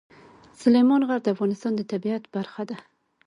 سلیمان غر د افغانستان د طبیعت برخه ده.